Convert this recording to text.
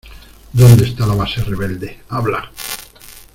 ¿ Dónde esta la base rebelde? ¡ habla!